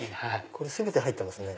これ全て入ってますね。